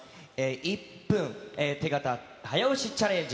１分手形早押しチャレンジ。